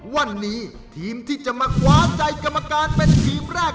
วันนี้ทีมที่จะมาคว้าใจกรรมการเป็นทีมแรก